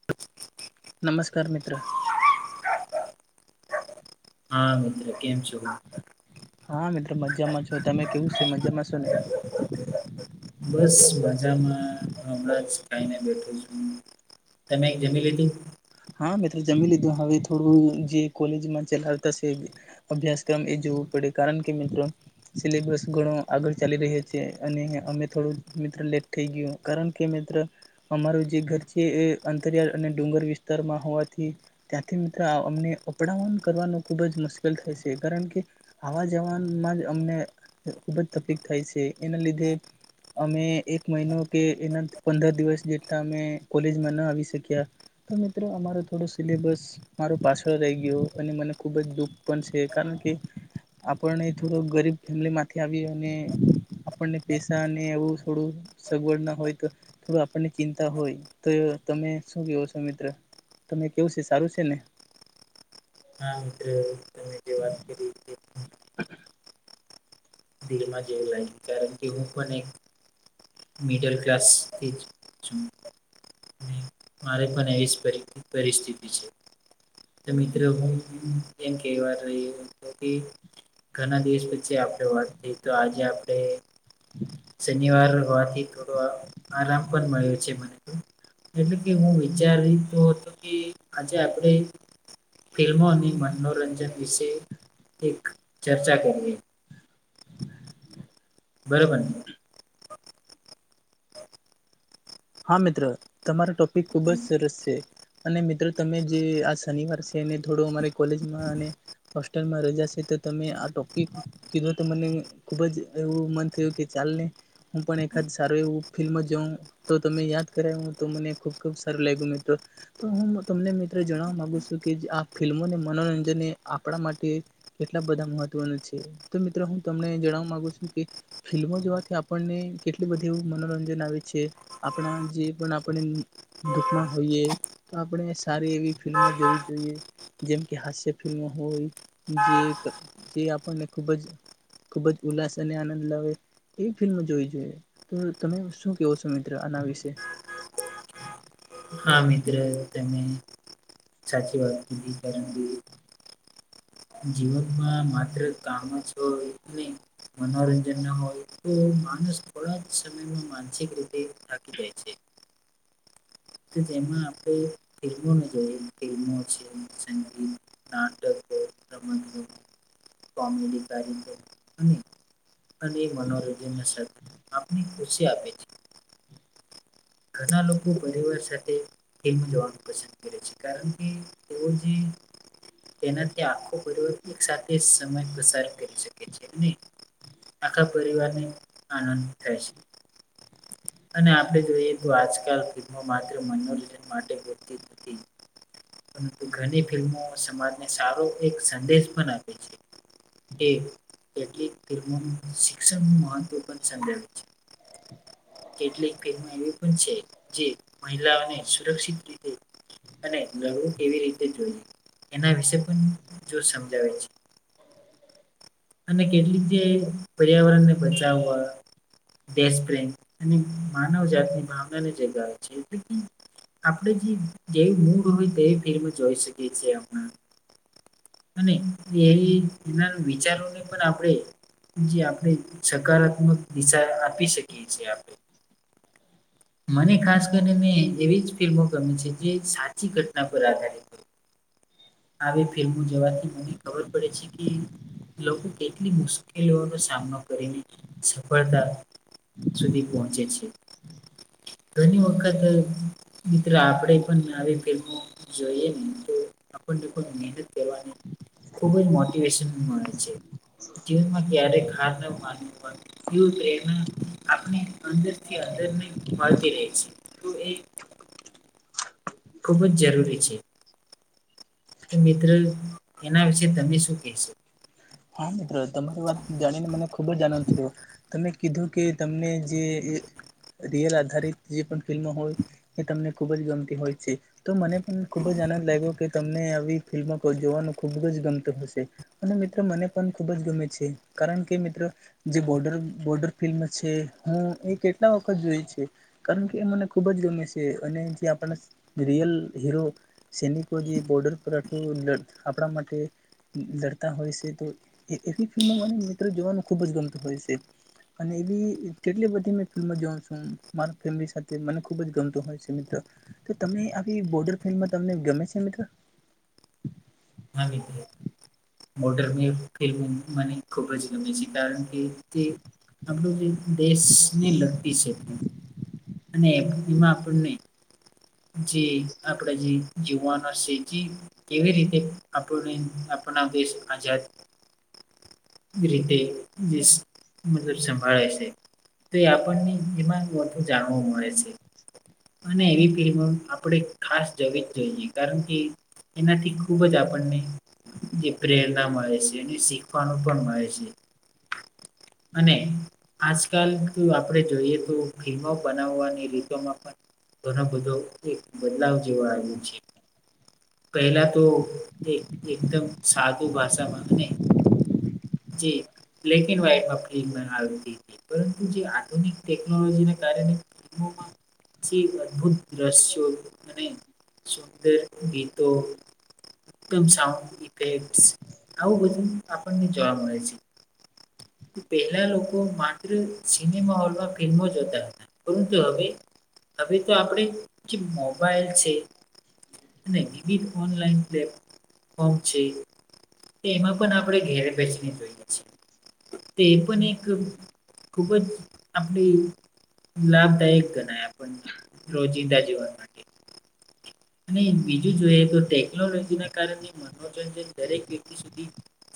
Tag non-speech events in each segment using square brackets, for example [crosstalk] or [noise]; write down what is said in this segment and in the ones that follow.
[inaudible] નમસ્કાર મિત્ર હા મિત્ર કેમ છ હા મિત્રો મજામાં છો તમે કેવું છે મજામાં છો ને બસ મજામાં હ હમણાં જ ખાઈને બેઠું છું તમે જમી લીધું હા મેં તો જમી લીધું હવે થોડું જે કોલેજમાં ચલાવતાશે અભ્યાસક્રમ એ જોવું પડે કારણ કે મિત્રો સિલેબસ ઘણો આગળ ચાલી રહ્યો છે અને અમે થોડું મિત્ર લેટ થઈ ગયું કારણ કે મિત્ર અમારું જે ઘર છે એ અંતરિયાળ અને ડુંગર વિસ્તારમાં હોવાથી ત્યાંથી મિત્રો અમને અપડવન કરવાનું ખુબ જ મુશ્કેલ થાય છે કારણ કે આવા જવામાં જ અમને ખુબ જ તકલીફ થાય છે એના લીધે અમે એક મહિનો કે એના પંદર દિવસ જેટલા અમે કોલેજમાં ના આવી શક્યા તો મિત્રો અમાર થોડું સિલેબસ મારો પાછળ રહી ગયો અને મને ખુબ જ દુઃખ પણ છે કારણ કે આપને થોડો ગરીબ ફેમિલી માંથી આવી અને આપણને પૈસા ને એવું થોડું સગવડ ના હોય તો આપણને ચિંતા હોય તો તમે શું કેવ તો મિત્ર તમે કેવું છે સારું છે ને હા મિત્રો તમે જે વાત કરી હતી [inaudible] દિલમાં જેવું લાગ્યું કારણ કે હું પણ એક મિડલ ક્લાસથી છું. અને મારે પણ એવી જ પરિસ્થિતિ છે મિત્રો એમ કહેવા રહ્યો કે ઘણા દિવસ પછી વાતથી તો આજે આપ શનિવાર હોવાથી તો આરામ પણ મળ્યો છે મને તો એટલે કે હું વિચારીતો હતો કે આજે આપણે ફિલ્મો અને મનોરંજન વિશે એક ચર્ચા કરીલી બરોબર હા મિત્ર તમારા ટોપિક ખુબ જ સરસ છે અને મિત્રો તમે જે આ શનિવાર છે એને થોડું અમારે કોલેજમાં અને હોસ્ટેલમાં રજા છે તો તમે આ ટોપિક કીધો તો મને ખુબ જ એવું મન થયું કે ચાલ ને હું પણ એકાદ સારું એવું ફિલ્મ જઉં તો તમે યાદ કરાવ હું તો મને ખુબ ખુબ સારું લાગ્યું મિત્ર તો હું તમને મિત્રો જણવા મામાંગુ છું કે આ ફિલ્મોને મનોરંજનને આપણા માટે કેટલા બધા મહત્વનું છે તો મિત્રો હું તમને જણાવવા માંગુ છું કે ફિલ્મો જોવાથી આપણને કેટલી બધી મનોરંજન આવે છે આપણા જે પણ આપણે દુઃખમાં હોઈએ તો આપણે સારી એવી ફિલ્મો જોવી જોઈએ જેમ કે હાસ્ય ફિલ્મ હોય જે આપણને ખૂબ જ ખુબ જ ઉલ્લાસ અને આનંદ લાવે એવી ફિલ્મ જોવી જોઈએ તો તમે શું કેવો સમય મિત્ર અના વિશે હા મિત્ર તમે સાચી વાત કીધી કારણ કે જીવનમાં માત્ર કામ છ ન મનોરંજન ના હોય તો માણસ થોડા જ સમયમાં માનસિક રીતે થાકી જાય છે જેમાં આપણે ફિલ્મોને જોઈએ ફિલ્મો છે સંગીત નાટકો સમજો કોમેડી કારો અને મનોરંજન આપને ખુશી આપે છે. ઘણા લોકો પરિવાર સાથે એમ જોવા પસંદ કરે છે, કારણ કે એવા ઓ જે તેના તે આખો પર્વ એક સાથે સમય પસાર કરી શકે છે, અને આખા પરિવારને આનંદ થશે. અને આપણે જોઈએ તો, આજકાલ ફિલ્મો માત્ર મનોરંજન માટે હોતી નથી. પરંતુ ઘણી ફિલ્મો સમાજને સારો એક સંદેશ પણ આપે છે. એ કેટલીક ધર્મો શિક્ષણ નું મહત્વ પણ સંદર્ભ છે. કેટલીક ફિલ્મો માં એવી પણ છે, જે મહિલાઓને સુરક્ષિત રીતે. અને લડવું કેવી રીતે જોઈએ, એના વિશે પણ જો સમજાવે છે. અને કેટલી જે પર્યાવરણ ને બચાવવા. દેશમાં અને માનવ જાતની ભાવનાની જાગે છે, એટ આપણે જે જેવી મુૂડ હોય, તેવી ફિલ્મ જોઈ શકીએ છીએ, આપ અને એ ના વિચારોને પણ આપણે જે આપણે સકારાત્મક દિશા આપી શકીએ છીએ, આપણે મને ખાસ કરીને, એવી જ ફિલ્મો ગમી છે, જે સાચી ઘટના પર આધારિત આવી ફિલ્મો જોવાથી મને ખબર પડે છે કે. લોકો કેટલી મુશ્કેલીઓનો સામનો કરીને, સફળતા સુધી પહોંચે છે. ઘણી વખત મિત્ર, આપણે પણ ફિલ્મો જોઈએ ને તો. લોકોને મહેનત ખુબ જ મોટિવેશન મળે છે. જીવનમાં ક્યારેય હાર ના માનવું હોય. એવી પ્રેરણા આપણે અંદરથી અંદરને મળતી રહે છે, તો એ ખૂબ જ જરૂરી છે. તો મિત્ર, એના વિશે તમે શું કેશો? હા, મિત્રો, તમારી વાત જાણીને, મને ખુબ જ આનંદ થયો. તમે કીધું કે, તમને જે રિયલ આધારિત જે પણ ફિલ્મો હોય. એ તમને ખુબ જ ગમતી હોય છે. તો મને પણ ખુબ જ આનંદ લાગ્યો, કે તમને આવી ફિલ્મો જોવાનું ખુબ જ ગમતું હશે. અને મિત્રો, મને પણ ખૂબ જ ગમે છે, કારણ કે મિત્રો જે બોર્ડર બોર્ડર ફિલ્મ છે, હું એ કેટલા વખત જોઈ છે. કારણ કે, એ મને ખુબ જ ગમે છે, અને જે આપણા રિયલ હીરો. સૈનિકો જે બોર્ડર પર આટલું આપણા માટે લડતા હોય છે. તો એવી ફિલ્મ મને મિત્રો, જોવાનું ખુબ જ ગમતું હોય છે. અને એવી કેટલી બધી મે ફિલ્મો જોઉ છું મારા ફેમિલી સાથે, મને ખુબ જ ગમતું હોય છે, મિત્ર. તો તમે આવી બોર્ડર ફિલ્મમાં તમને ગમે છે? મિત્ર. હા, બી મોટરની ફિલ્મ મને ખૂબ જ ગમે છે કારણ કે તે આપણું જે દેશને લગતી છે. અને એમાં આપણને જી આપડે જે જીવાનો છે જ. કેવી રીતે? આપણે આપણા દેશ આઝાદ રીતે વજ મતલબ સંભાળે છે. તો એ આપણને એમાં વધુ જાણવું મળે છે. અને એવી ફિલ્મો આપણે ખાસ જવી જ જોઈએ, કારણ કે એનાથી ખુબ જ આપણને જે પ્રેરણા મળે છે, એ શીખવાનું. બનાવાય છે. અને આજકાલ આપણે જોઈએ, તો ભીમો બનાવવાની રીતોમાં પણ. ઘણા બધો બદલાવ જેવા આવ્યું છે. પહેલાં તો એક એકદમ, સાદું ભાષામાં ને જી બ્લેક એન્ડ, વાઈટમાં ફ બના પરંતુ જે આધુનિક ટેકનોલોજીને કારણે ફિલ્મોમાં જે અદભુત દ્રશ્યો અને સુંદર ગીત તો એકદમ સાઉન્ડ ઈફેક્ટસ આવું બધું આપણને જોવા મળે છે. પહેલાં લોકો માત્ર સિનેમા હોલમાં ફિલ્મો જોતાં હતાં પરંતુ હવે હવે તો આપણેે જે મોબાઈલ છે અને વિવિધ ઓનલાઈન પ્લેટફોર્મ છે. એમાં પણ આપણે ઘેર બેેસીને જોઈએ છીએ. તે પણ એક ખૂબ જ આપણી લાભદાયક ગણાય આપણને. રોજિંદા જીવન માટે. અને બીજું જોઈએ તો ટેકનોલોજીના કારણે [unintelligible] દરેક વ્યક્તિ સુધી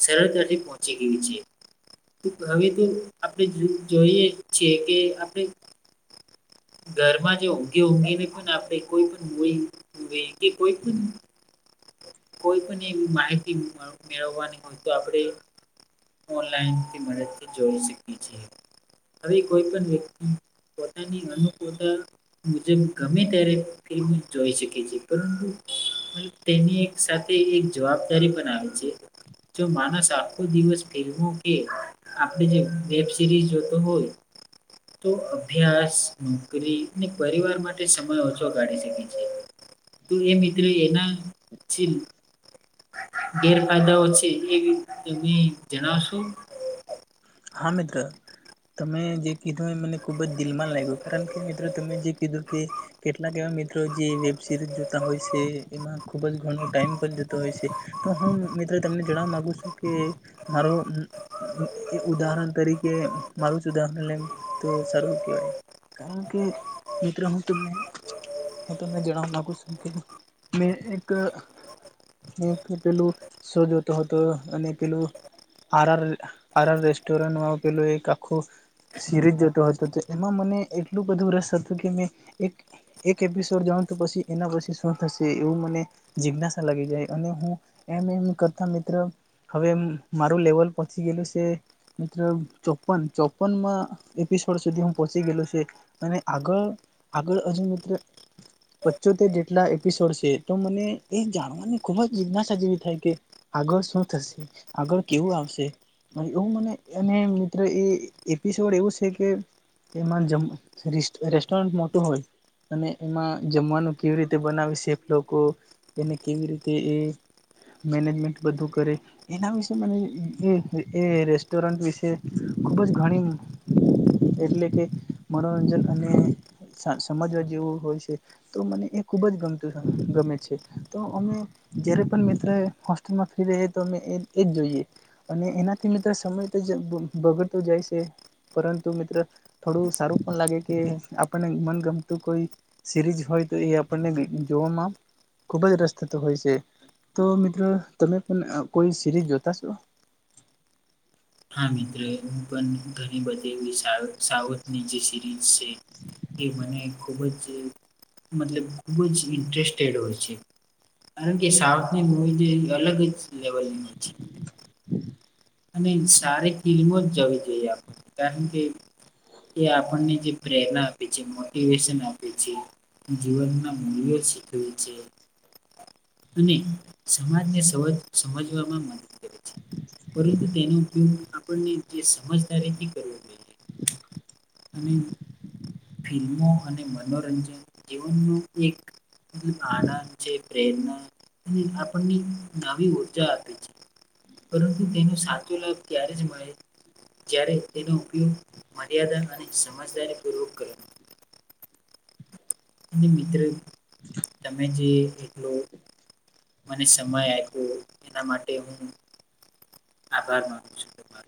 સરળતાથી પહોંચી ગઈ છે. તો હવે તો આપણે જો જોઈએ છીએ કે આપણે ઘરમાં જે ઊંઘી ઊંઘીને પણ આપે કોઈ પણ હોય મૂવી વેગ કોઈ કુ કોઈ પણ એવી માહિતી મળ મેળવવાની હોય તો આપણેે ઓનલાઈન કે મદદથી જોઈ શકીએ છીએ. હવે કોઈ પણ વ્યક્તિ પોતાની અનુકુળતા મુજબ ગમે ત્યારે ફિલ્મ જોઈ શકે છે પરંતુ પણ તેની એક સાથે એક જવાબદારી પણ આવે છે. જો માનસ આખો દિવસ ફિલ્મો કે આપણી જે વેબ સિરીઝ જોતો હોય તો અભ્યાસ નોકરી ને પરિવાર માટે સમય ઓછો કાઢી શકે છે. તું એ મિત્ર એના છીલ ગેરફાયદાઓ છે એ તમે જણાવશો? હા મિત્ર તમે જે કીધું એ મને ખૂબ જ દિલમાં લાગ્યું કારણ કે મિત્ર તમે જે કીધું કે કેટલાક એવા મિત્રો જે વેબ સિરીઝ જોતાં હોય શે એમાં ખુબ જ ઘણો ટાઈમ પણ જતો હોય શે. તો હું મિત્રો તમને જણાવવા માગું છું કે મારું એ ઉદાહરણ તરીકે મારું જ ઉદાહરણ લેમ તો સારું કેવાય. કારણ કે મિત્ર હું તમને હું તમને જણાવવા માગું છું મેં એક હું પેલું શો જોતો હતો અને પેલું આર આર આર આર રેસ્ટોરન્ટમાં પેલું એક આખું સિરીઝ જતો હતો તો એમાં મને એટલું બધું રસ હતું કે મેં એક એક એપિસોડ જોવાન તો પસી એના પછી શું થશે એવું મને જિજ્ઞાસા લાગી ગઈ અને હું એમ એમ કરતાં મિત્ર હવે મારું લેવલ પહોચી ગેલું છે. એ મિત્ર ચોપન ચોપનમાં એપિસોડ સુધી હું પહોંચી ગેલો છું એ અને આગળ આગળ હજુ મિત્ર પચોતેર જેટલા એપિસોડ છે તો મને એ જાણવાની ખૂબ જ જિજ્ઞાસા જેવી થાય કે આગળ શું થશે, આગળ કેવું આવશે? એવું મને અને મિત્ર એ એપિસોડ એવું શે કે એમાં જ રેસ્ રેસ્ટોરન્ટ મોટું હોય. અને એમાં જમવાનું કેવી રીતે બનાવે સેફ લોકો. એને કેવી રીતે એ મેનેજમેન્ટ બધું કરે એના વિશે મને એ રેસ્ટોરન્ટ વિશે ખૂબ જ ઘણી એટલે કે મનોરંજન અને સા સમજવા જેવું હોય છે. તો મને એ ખૂબ જ ગમતું ગમે છે તો અમે જયારે પણ મિત્ર હોસ્ટેલમાં ફ્રી રેયે તો અમે એ એજ જોઈએ. અને એનાથી મિત્ર સમય તો જ બગડતો જાય છે પરંતુ મિત્ર થોડું સારું પણ લાગે કે આપણને મનગમતું કોઈ સિરીજ હોય તો એ આપણને જોવામાં ખૂબ જ રસ થતો હોય છે. તો મિત્ર તમે પણ કોઈ સિરીઝ જોતાશો? હા મિત્ર હું પણ ઘણી બધી એવી સાઉથ સાઉથ ની જે સિરીઝ છે એ મને ખૂબ જ મતલબ ખૂબ જ ઇન્ટરેસ્ટેડ હોય છે. કારણ કે સાઉથની મૂવી જે અલગ જ લેવલની હોય છે. અને સારી ફિલ્મો જ જવી જોઈએ આપણ કારણ કે એ આપણને જે પ્રેરણા આપે છે, મોટિવેશન આપે છે. અને જીવનના મૂલ્યો શીખવે છે. અને સમાજને સમજ સમજવામાં મદદ કરે છે. પરંતુ તેનો ઉપયોગ આપણને જે સમજદારીથી કરવો. જોઈએ અને ફિલ્મો અને મનોરંજન તેઓનું એક મતલબ આનંદ છે, પ્રેરણા અને આપણને નવી ઉર્જા આપે છે. પરંતુ તેનો સાચો લાભ ત્યારે જ મળે જ્યારે તેનો ઉપયોગ મર્યાદા અને સમજદારીપૂર્વક કરો. અને મિત્ર તમે જે એટલો મને સમય આપ્યો એના માટે હું આભાર માનું છું. તમારો